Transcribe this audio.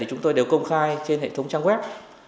chúng tôi đều công khai trên hệ thống trang web